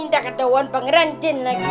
tak ketahuan pangeran jin lagi